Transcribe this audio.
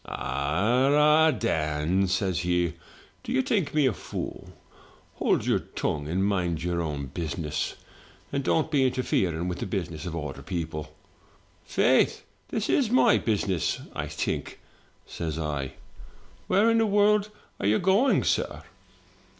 '* 'Arrahy Dan,' says he, *do you think me a fool? Hold your tongue, and mind your own business, and don't be interfering with the business of other people.' 'Faith, this is my business, I think,' says I. 'Where in the world are you going, sir?'